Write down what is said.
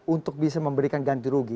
untuk bisa memberikan ganti rugi